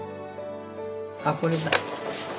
あっこれだ。